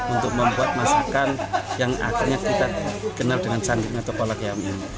untuk membuat masakan yang akhirnya kita kenal dengan canggirnya atau kolak ayam ini